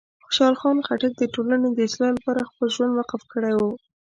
خوشحال خان خټک د ټولنې د اصلاح لپاره خپل ژوند وقف کړی و.